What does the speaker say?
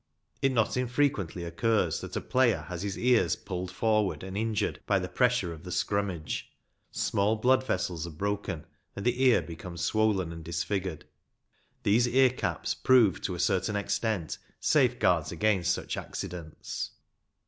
It not infrequently occurs that a player has his ears pulled forward and injured by the pressure of the scrummage. Small blood vessels are broken, and the ear becomes swollen and disfigured. These ear caps A MODERN GAME OF RUGBY FOOTBALL. 203 prove, to a certain extent, safeguards against such accidents.